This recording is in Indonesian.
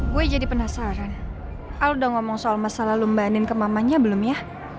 gue jadi penasaran al udah ngomong soal masa lalu mbak anin ke mamanya belum ya